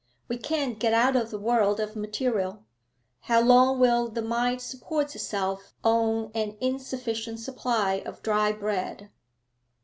We can't get out of the world of material; how long will the mind support itself on an insufficient supply of dry bread?'